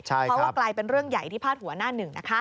เพราะว่ากลายเป็นเรื่องใหญ่ที่พาดหัวหน้าหนึ่งนะคะ